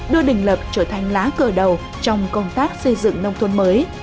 đưa đình lập trở thành lá cờ đầu trong công tác xây dựng nông thôn mới